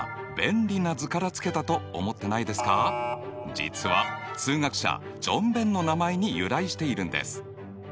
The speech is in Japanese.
実は数学者ジョン・ベンの名前に由来しているんです。